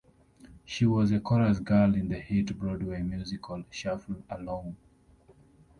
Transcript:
She was a chorus girl in the hit Broadway musical "Shuffle Along".